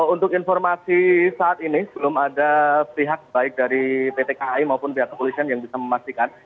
untuk informasi saat ini belum ada pihak baik dari pt kai maupun pihak kepolisian yang bisa memastikan